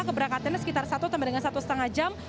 keberangkatannya sekitar satu sampai dengan satu lima jam